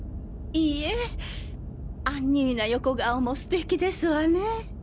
いいえアンニュイな横顔もステキですわね。